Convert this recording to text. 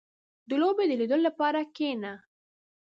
• د لوبې د لیدو لپاره کښېنه.